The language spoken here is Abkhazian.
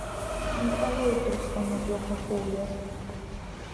Иҟалоит усҟан ублақәа хуҩар.